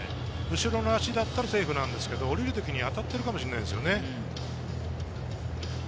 後ろの足だったらセーフなんですけど、降りるときに当たっているかもしれないですよね。